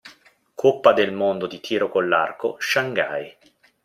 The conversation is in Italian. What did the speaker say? Coppa del mondo di tiro con l'arco, shanghai.